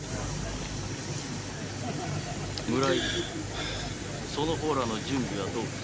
村井その方らの準備はどうか？